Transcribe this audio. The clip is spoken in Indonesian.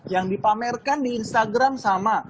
yang dipamerkan di instagram sama